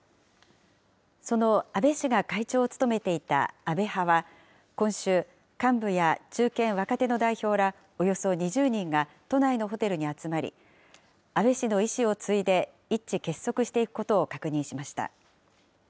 その安倍氏が会長を務めていた安倍派は、今週、幹部や中堅・若手の代表らおよそ２０人が都内のホテルに集まり、安倍氏の遺志を継いで一致結束していくことを確認しました。